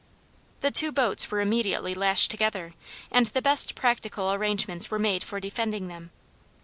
The two boats were immediately lashed together, and the best practical arrangements were made for defending them.